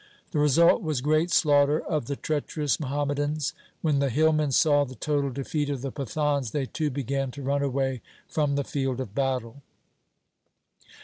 The result was great slaughter of the treacherous Muhammadans. When the hillmen saw the total defeat of the Pathans, they too began to run away from the field of battle.